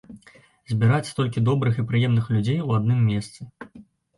Збіраць столькі добрых і прыемных людзей у адным месцы.